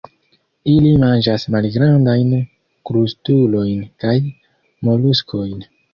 Ili manĝas malgrandajn krustulojn kaj moluskojn.